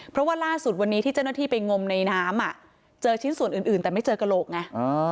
เพราะว่าล่าสุดวันนี้ที่เจ้าหน้าที่ไปงมในน้ำเจอชิ้นส่วนอื่นแต่ไม่เจอกระโหลกไง